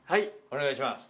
お願いします